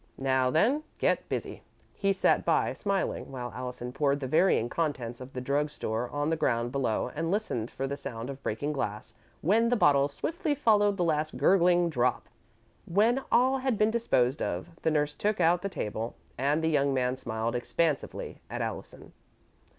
"Now then, get busy." He sat by, smiling, while Allison poured the varying contents of the drug store on the ground below and listened for the sound of breaking glass when the bottle swiftly followed the last gurgling drop. When all had been disposed of, the nurse took out the table, and the young man smiled expansively at Allison.